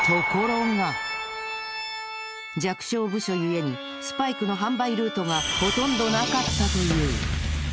弱小部署ゆえにスパイクの販売ルートがほとんどなかったという。